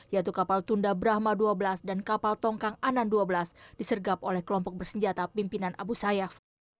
yaitu kapal tunda brahma dua belas dan kapal tongkang anan dua belas disergap oleh kelompok bersenjata pimpinan abu sayyaf